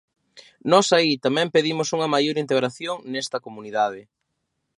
Nós aí tamén pedimos unha maior integración nesta comunidade.